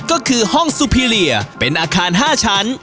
ก็คือห้องซูพิเลียเป็นอาคาร๕ชั้น